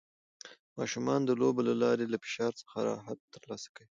ماشومان د لوبو له لارې له فشار څخه راحت ترلاسه کوي.